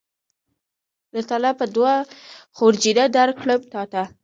د طلا به دوه خورجینه درکړم تاته